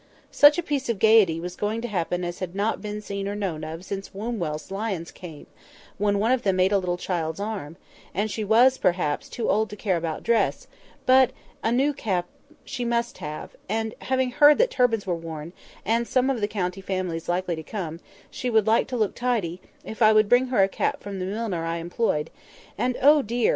Such a piece of gaiety was going to happen as had not been seen or known of since Wombwell's lions came, when one of them ate a little child's arm; and she was, perhaps, too old to care about dress, but a new cap she must have; and, having heard that turbans were worn, and some of the county families likely to come, she would like to look tidy, if I would bring her a cap from the milliner I employed; and oh, dear!